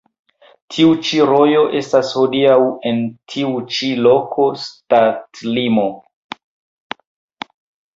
Tiu ĉi rojo estas hodiaŭ en tiu ĉi loko ŝtatlimo.